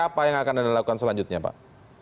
apa yang akan anda lakukan selanjutnya pak